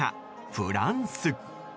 フランス。